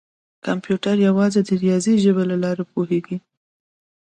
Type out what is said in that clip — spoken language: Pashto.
کمپیوټر یوازې د ریاضي ژبې له لارې پوهېږي.